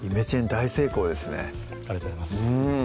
大成功ですねありがとうございます